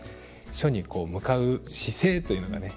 書に向かう姿勢というのがね